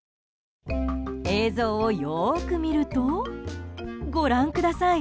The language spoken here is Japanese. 映像をよく見るとご覧ください。